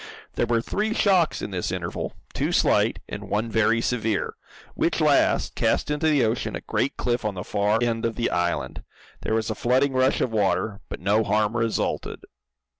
There were three shocks in this interval, two slight, and one very severe, which last cast into the ocean a great cliff on the far end of the island. There was a flooding rush of water, but no harm resulted.